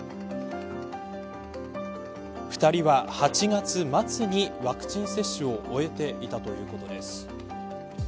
２人は８月末にワクチン接種を終えていたということです。